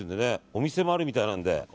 お店もあるみたいなんで。